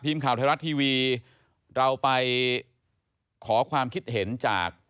ทีมข่าวไทยรัฐทีวีเราไปขอความคิดเห็นจาก